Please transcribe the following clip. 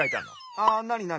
ああなになに？